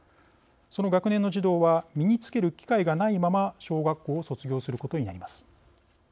その学年の児童は身につける機会がないまま小学校を卒業することになります。